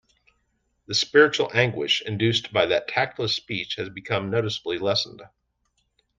The spiritual anguish induced by that tactless speech had become noticeably lessened.